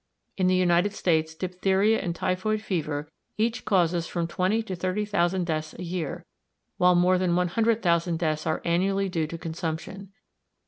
In the United States diphtheria and typhoid fever each causes from twenty to thirty thousand deaths a year, while more than one hundred thousand deaths are annually due to consumption.